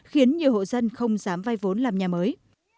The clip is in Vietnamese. khiến nhiều hộ dân không dám vay vốn làm nhà mới